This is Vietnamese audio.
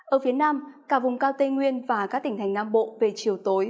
ở phía nam cả vùng cao tây nguyên và các tỉnh thành nam bộ về chiều tối